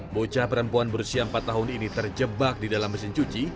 bocah perempuan berusia empat tahun ini terjebak di dalam mesin cuci